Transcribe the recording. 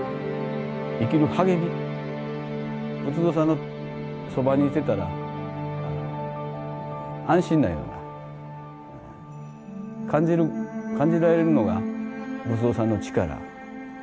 仏像さんのそばにいてたら安心なような感じる感じられるのが仏像さんの力。